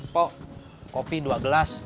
kok kopi dua gelas